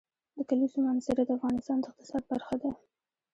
د کلیزو منظره د افغانستان د اقتصاد برخه ده.